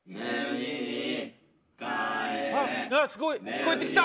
聞こえてきた。